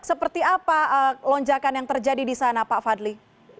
seperti apa lonjakan yang terjadi di sana pak fadli